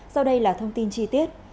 sau đây là thông tin chi tiết